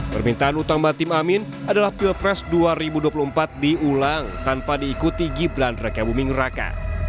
permintaan utama tim amin adalah pilpres dua ribu dua puluh empat diulang tanpa diikuti gibran reka buming raka